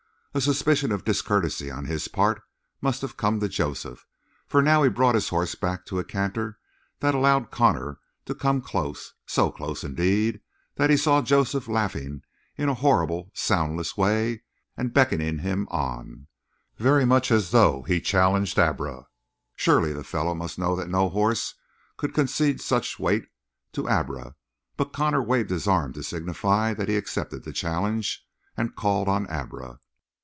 A suspicion of discourtesy on his part must have come to Joseph, for now he brought his horse back to a canter that allowed Connor to come close, so close indeed that he saw Joseph laughing in a horrible soundless way and beckoning him on, very much as though he challenged Abra. Surely the fellow must know that no horse could concede such weight to Abra, but Connor waved his arm to signify that he accepted the challenge, and called on Abra.